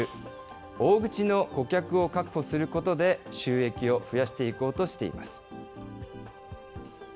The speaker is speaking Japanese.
大口の顧客を確保することで収益を増やしていこうとしています。